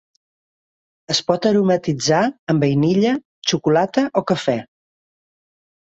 Es pot aromatitzar amb vainilla, xocolata o Cafè.